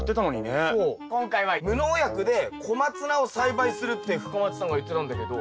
今回は無農薬でコマツナを栽培するって深町さんが言ってたんだけど。